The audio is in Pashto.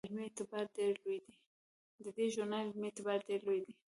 د دې ژورنال علمي اعتبار ډیر لوړ دی.